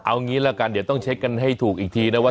เอางี้ละกันเดี๋ยวต้องเช็คกันให้ถูกอีกทีนะว่า